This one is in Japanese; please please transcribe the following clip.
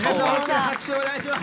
拍手をお願いします。